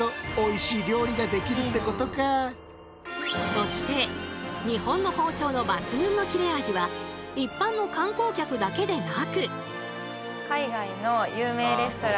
そして日本の包丁の抜群の切れ味は一般の観光客だけでなく。